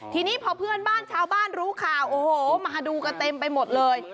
ทีนี้พอเพื่อนบ้านชาวบ้านรู้ข่าวโอ้โหมาดูกันเต็มไปหมดเลย